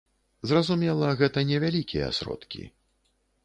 Зразумела, гэта невялікія сродкі.